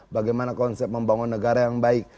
bagaimana konsep membangun negara yang baik